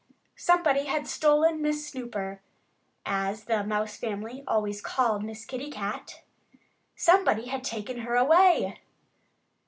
Somebody had stolen Miss Snooper as the Mouse family always called Miss Kitty Cat! Somebody had taken her away!